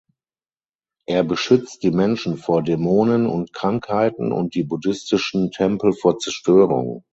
Er beschützt die Menschen vor Dämonen und Krankheiten und die buddhistischen Tempel vor Zerstörung.